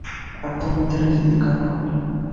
Actualmente reside en California.